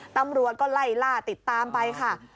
ตำรวจก็ไล่ล่าติดตามไปค่ะ